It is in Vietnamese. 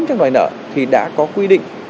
trong đòi nợ thì đã có quy định